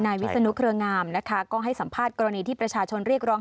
วิศนุเครืองามนะคะก็ให้สัมภาษณ์กรณีที่ประชาชนเรียกร้อง